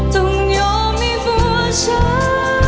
ต้องยอมให้บัวเช้า